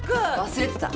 忘れてた。